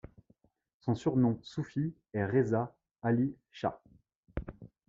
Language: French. Son surnom Soufi est Reza ‘Ali Shah.